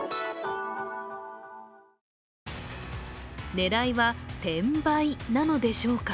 狙いは転売なのでしょうか。